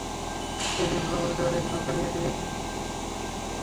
নিজের ছবি প্রসঙ্গ বিদ্যা জানিয়েছেন, সংখ্যা নিয়ে তিনি মোটেও মাথা ঘামান না।